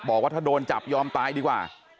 บอกว่าถ้าโดนจับยอมตายดีกว่า